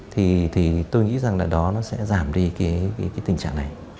thì tôi nghĩ rằng là đó nó sẽ giảm đi cái tình trạng này